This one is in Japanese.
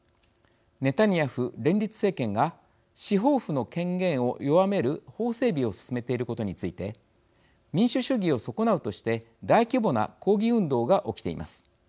ネタニヤフ連立政権が司法府の権限を弱める法整備を進めていることについて民主主義を損なうとして大規模な抗議運動が起きています。